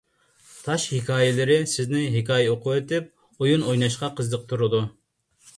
«تاش ھېكايىلىرى» سىزنى ھېكايە ئوقۇۋېتىپ ئويۇن ئويناشقا قىزىقتۇرىدۇ.